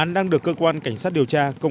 vụ án đang được cơ quan cảnh sát điều tra mở rộng